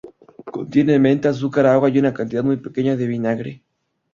Contiene menta, azúcar, agua y una cantidad muy pequeña de vinagre.